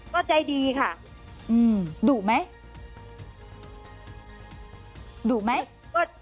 ก็ใจดีค่ะดุไหมดุไหม